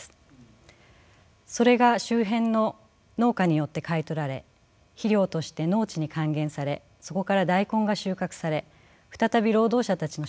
それが周辺の農家によって買い取られ肥料として農地に還元されそこから大根が収穫され再び労働者たちの食卓に上る。